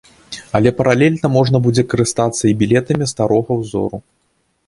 Але паралельна можна будзе карыстацца і білетамі старога ўзору.